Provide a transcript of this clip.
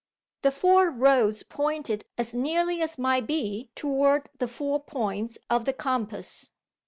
The four roads pointed as nearly as might be toward the four points of the compass.